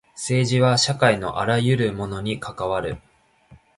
政治は社会のあらゆるものに関わる。